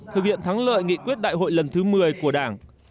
thực hiện thắng lợi nghị quyết đại hội lần thứ một mươi của đảng